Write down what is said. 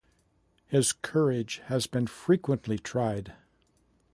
His courage had been frequently tried.